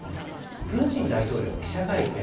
プーチン大統領の記者会見。